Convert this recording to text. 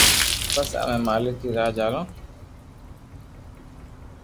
پسي امي مالڪ ري راہ جالو